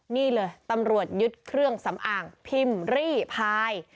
นี่เลยตำรวจยึดเครื่องสำอางพิมพ์รีพาย